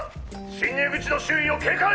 進入口の周囲を警戒。